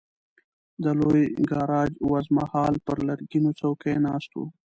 د لوی ګاراج وزمه هال پر لرګینو څوکیو ناست وو.